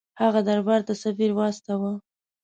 هغه دربار ته سفیر واستاوه.